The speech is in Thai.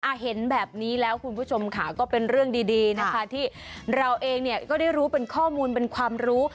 เห็นแบบนี้แล้วคุณผู้ชมค่ะก็เป็นเรื่องดีดีนะคะที่เราเองเนี่ยก็ได้รู้เป็นข้อมูลเป็นความรู้